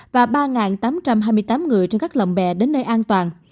và ba tám trăm hai mươi tám người trên các lồng bè đến nơi an toàn